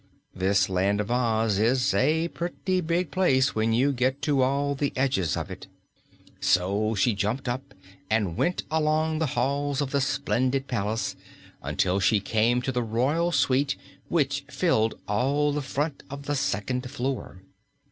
This Land of Oz is a pretty big place when you get to all the edges of it." So she jumped up and went along the halls of the splendid palace until she came to the royal suite, which filled all the front of the second floor.